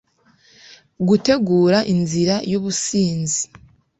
Gutegura Inzira yUbusinzi